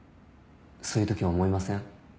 そういうとき思いません？